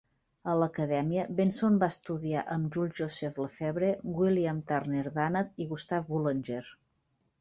A l'Acadèmia, Benson va estudiar amb Jules-Joseph Lefebvre, William Turner Dannat i Gustave Boulanger.